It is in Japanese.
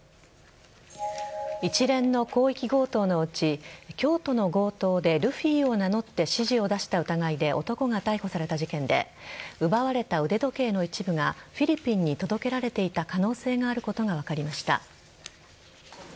一連の広域強盗のうち京都の強盗で、ルフィを名乗って指示を出した疑いで男が逮捕された事件で奪われた腕時計の一部がフィリピンに届けられていた可能性があることが分かりました。